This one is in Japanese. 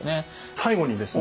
最後にですね